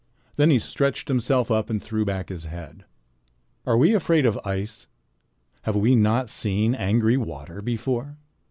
Then he stretched himself up and threw back his head. "Are we afraid of ice? Have we not seen angry water before?